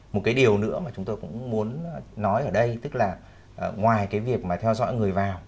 một cái điều nữa mà chúng tôi cũng muốn nói ở đây tức là ngoài cái việc mà theo dõi người vào